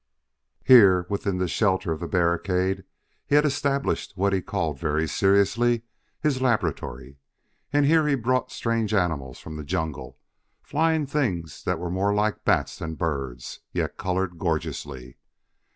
Here, within the shelter of the barricade, he had established what he called very seriously his "laboratory." And here he brought strange animals from the jungle flying things that were more like bats than birds, yet colored gorgeously.